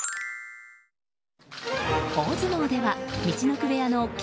大相撲では陸奥部屋の霧